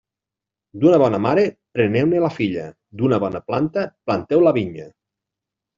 D'una bona mare, preneu-ne la filla; d'una bona planta, planteu la vinya.